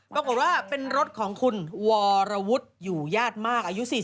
ปรากฏว่าเป็นรถของคุณวรวุฒิอยู่ญาติมากอายุ๔๐